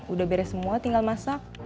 udah beres semua tinggal masak